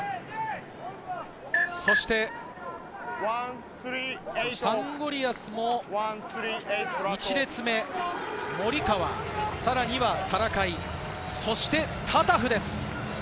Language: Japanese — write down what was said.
そしてサンゴリアスも１列目森川、タラカイ、そしてタタフです。